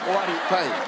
はい。